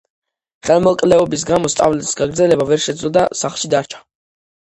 ხელმოკლეობის გამო სწავლის გაგრძელება ვერ შეძლო და სახლში დარჩა.